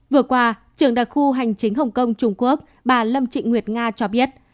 vừa qua trường đặc khu hành chính hồng kông trung quốc bà lâm trịnh nguyệt nga cho biết